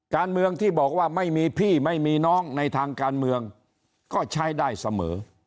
การเมืองที่บอกว่าไม่มีพี่ไม่มีน้องในทางการเมืองก็ใช้ได้เสมอ